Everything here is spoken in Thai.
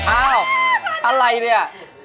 อ้าวอะไรเนี่ย